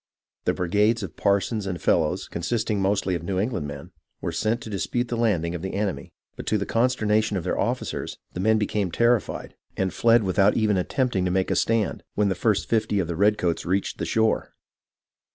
The brigades of Parsons and Fellows, consisting mostly of New England men, were sent to dispute the landing of the enemy ; but to the consternation of their officers, the men became terrified, and fled without even attempting to make a stand, when the first fifty of the red coats reached the shore.